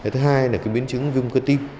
thứ hai là biến chứng viêm cơ tim